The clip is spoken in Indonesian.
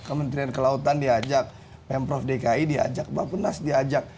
kementerian kelautan diajak pemprov dki diajak bapak penas diajak